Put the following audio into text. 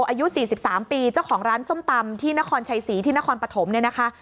อายุ๔๓ปีเจ้าของร้านส้มตำที่นครชัยศรีที่นครปฐมเนี่ยนะคะ